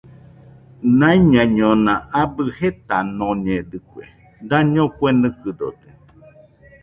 Naiñaiñona abɨ jetanoñedɨkue, daño kue nɨkɨdote